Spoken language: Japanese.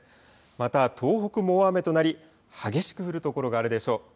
また東北も大雨となり激しく降る所があるでしょう。